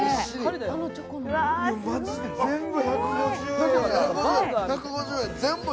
マジで全部１５０円。